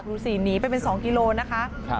ดูสิหนีไปเป็น๒กิโลกรัมนะคะ